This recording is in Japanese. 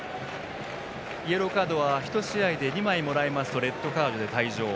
イエローカードは１試合で２枚もらいますとレッドカードで退場。